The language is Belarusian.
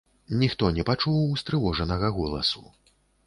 Ніхто не пачуў устрывожанага голасу.